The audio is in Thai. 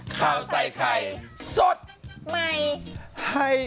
ข้าวใส่ไข่สดไม่